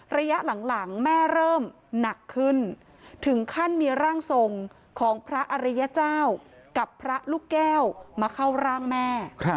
ระยะหลังแม่เริ่มหนักขึ้นถึงขั้นมีร่างทรงของพระอริยเจ้ากับพระลูกแก้วมาเข้าร่างแม่